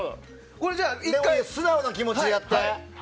素直な気持ちでやって！